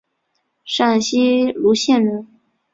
陕西户县人。